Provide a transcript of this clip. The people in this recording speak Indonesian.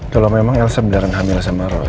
kalau memang elsa beneran hamil sama roy